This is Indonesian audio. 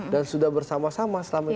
dan sudah bersama sama selama ini